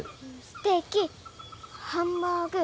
ステーキハンバーグ